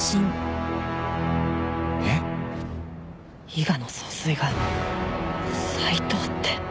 伊賀の総帥が斉藤って。